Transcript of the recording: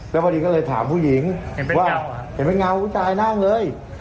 แล้วพอดีก็เลยถามผู้หญิงว่าเห็นเป็นเงาผู้ชายนั่งเลย